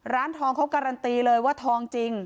ร้านทองเขาการันตีเลยว่าทองจริง